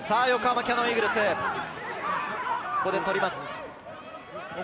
横浜キヤノンイーグルス、ここで取ります。